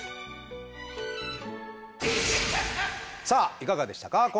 さあいかがでしたか？